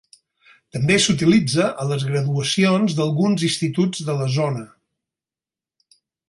També s'utilitza a les graduacions d'alguns instituts de la zona.